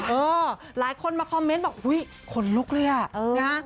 เออหลายคนมาคอมเมนต์บอกอุ๊ยขนลุกเนี่ยเออนะ